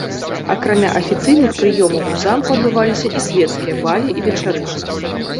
Акрамя афіцыйных прыёмаў у замку адбываліся і свецкія балі і вечарыны.